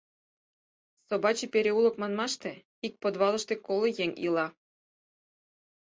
Собаче переулок манмаште, ик подвалыште, коло еҥ ила.